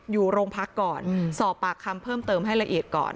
อยู่โรงพักก่อนสอบปากคำเพิ่มเติมให้ละเอียดก่อน